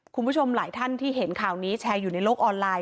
คุณผู้ชมหลายท่านที่เห็นข่าวนี้แชร์อยู่ในโลกออนไลน